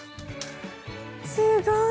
すごい。